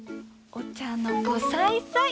お茶の子さいさい！